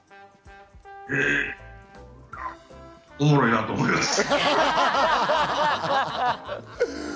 えっ、おもろいなと思いました。